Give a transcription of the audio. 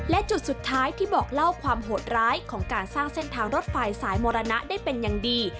และจุดสุดท้ายที่บอกเล่าความโหดร้ายของการสร้างเส้นทางรถไฟสายมรณะได้เป็นอย่างดี